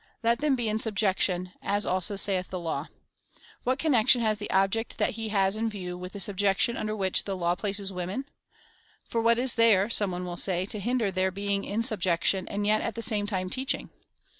Let them be in subjection, as also saith the laiu. What connection has the object that he has in view Avith the sub jection under which the law places women ?" For what is there," some one will say, " to hinder their being in sub jection, and yet at the same time teaching?"